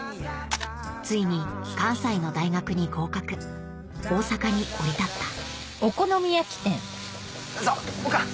ついに関西の大学に合格大阪に降り立ったおかん！